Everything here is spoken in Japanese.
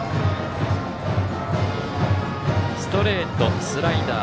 ストレート、スライダー。